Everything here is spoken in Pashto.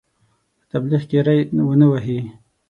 په تبلیغ کې ری ونه وهي.